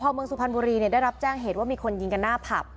พอเมืองสุพรรณบุรีได้รับแจ้งเหตุว่ามีคนยิงกันหน้าผับ